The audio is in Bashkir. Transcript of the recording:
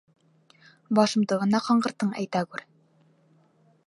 — Башымды ғына ҡаңғырттың, әйтәгүр!